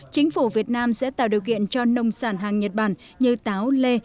chính phủ việt nam sẽ tạo điều kiện cho nông sản hàng nhật bản như táo lê